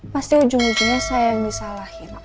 pasti ujung ujungnya saya yang disalahin